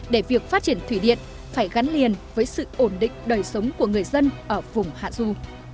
để việc phát triển thủy điện phải gắn liền với sự ổn định đời sống của người dân ở vùng hạ du